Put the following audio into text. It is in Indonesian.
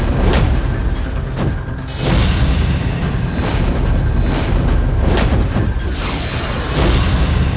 kalau kau sudah pulih kau harus pulih